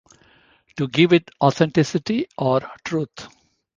To give it authenticity or 'truth'.